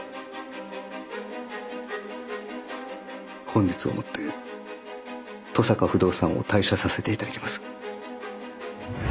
本日をもって登坂不動産を退社させていただきます。